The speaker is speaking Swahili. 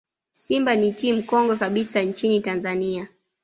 simba ni timu kongwe kabisa nchini tanzania